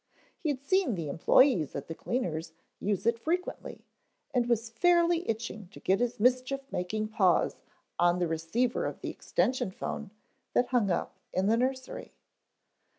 He had seen the employees at the cleaners use it frequently and was fairly itching to get his mischief making paws on the receiver of the extension phone that hung up in the nursery.